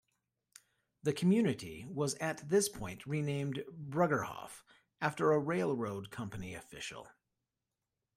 The community was at this point renamed Bruggerhoff, after a railroad company official.